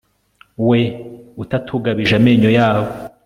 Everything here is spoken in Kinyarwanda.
we utatugabije amenyo yabo